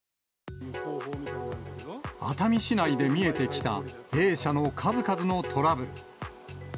熱海市内で見えてきたＡ社の数々のトラブル。